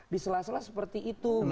diselas selas seperti itu